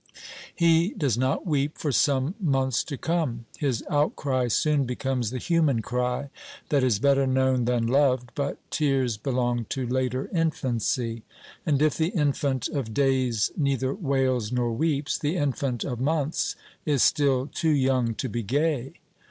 He does not weep for some months to come. His outcry soon becomes the human cry that is better known than loved, but tears belong to later infancy. And if the infant of days neither wails nor weeps, the infant of months is still too young to be gay.